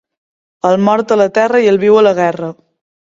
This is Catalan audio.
El mort a la terra i el viu a la guerra.